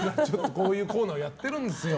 こういうコーナーをやってるんですよ。